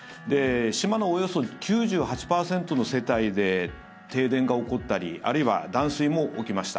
島のおよそ９８％の世帯で停電が起こったりあるいは断水も起きました。